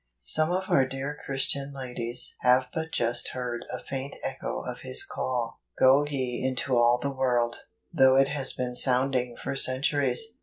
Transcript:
Some of our dear Christian ladies have but just heard a faint echo of His call, " Go ye into all the world," though it has been sounding for centuries.